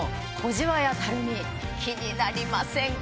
気になりませんか？